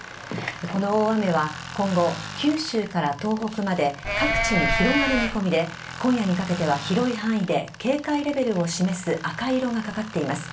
この大雨は今後九州から東北まで各地に広がる見込みで今夜にかけては広い範囲で警戒レベルを示す赤色がかかっています。